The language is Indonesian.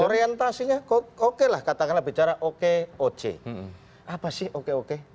orientasinya oke lah katakanlah bicara oke oce apa sih oke oke